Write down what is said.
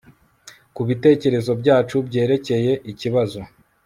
ku bitekerezo byacu byerekeye ikibazo